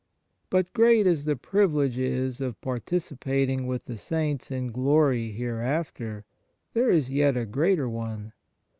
But great as the privilege is of participa ting with the Saints in glory hereafter, there is yet a greater one.